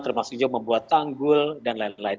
termasuk juga membuat tanggul dan lain lain